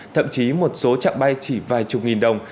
thậm chí một số chặng bay chỉ vài chục nghìn đồng